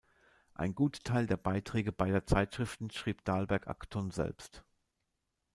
Einen Gutteil der Beiträge beider Zeitschriften schrieb Dalberg-Acton selbst.